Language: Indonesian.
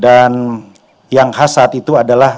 dan yang khas saat itu adalah